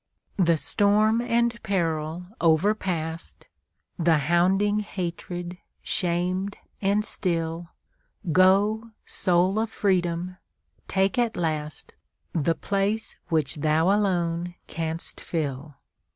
"The storm and peril overpast, The hounding hatred shamed and still, Go, soul of freedom! take at last The place which thou alone canst fill.